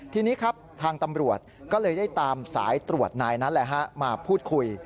ทีนี้ครับทางตำรวจก็เลยได้ตามสายตรวจนายนั้นมาพูดคุย